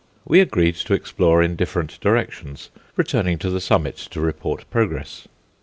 We agreed to explore in different directions, returning to the summit to report progress.